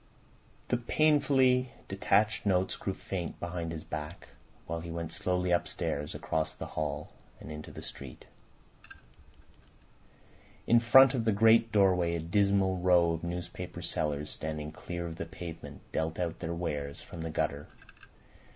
The painfully detached notes grew faint behind his back while he went slowly upstairs, across the hall, and into the street. In front of the great doorway a dismal row of newspaper sellers standing clear of the pavement dealt out their wares from the gutter.